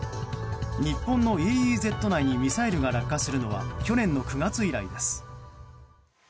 日本のＥＥＺ内にミサイルが落下するのは去年の９月以来です。